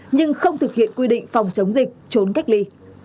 nhưng không thực hiện quy định phòng chống dịch trốn cách ly